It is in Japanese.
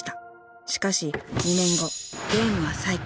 ［しかし２年後ゲームは再開。